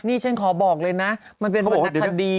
นี่ฉันขอบอกเลยนะมันเป็นวรรณคดี